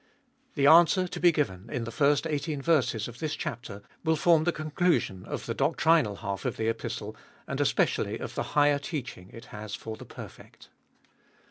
The answer to be given in the first eighteen verses of this chapter will form the conclusion of the doctrinal half of the Epistle, and especially of the higher teaching it has for the perfect.